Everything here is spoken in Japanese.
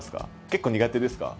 結構苦手ですか？